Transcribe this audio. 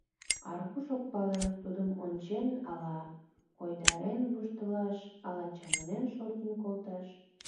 Аркуш ок пале: тудым ончен, ала койдарен воштылаш, ала чаманен шортын колташ.